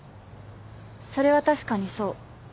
それは確かにそう。